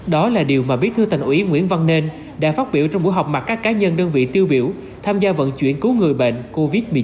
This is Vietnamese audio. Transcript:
đó là điều mà bí thư thành ủy nguyễn văn nên đã phát biểu trong buổi họp mặt các cá nhân đơn vị tiêu biểu tham gia vận chuyển cứu người bệnh covid một mươi chín